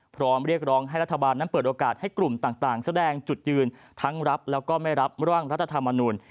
พร้อมเรียกร้องให้รัฐบาลนั้นเปิดโอกาสให้กลุ่มต่างแสดงจุดยืนทั้งรับแล้วก็ไม่รับร่างรัฐธรรมนุน